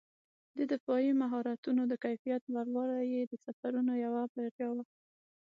د دفاعي مهارتونو د کیفیت لوړوالی یې د سفرونو یوه بریا وه.